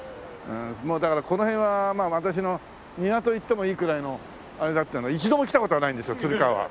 もうだからこの辺は私の庭と言ってもいいくらいのあれだっていうのに一度も来た事はないんですよ鶴川は。